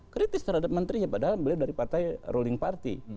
kritis terhadap menterinya padahal beliau dari partai ruling party